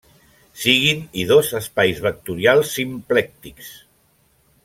Siguin i dos espais vectorials simplèctics.